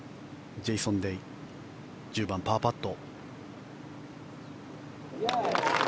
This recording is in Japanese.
ジェイソン・デイ１０番、パーパット。